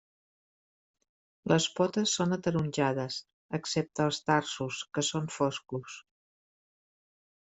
Les potes són ataronjades excepte els tarsos que són foscos.